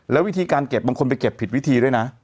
แล้ววิธีการเก็บบางคนไปเก็บผิดวิธีด้วยนะ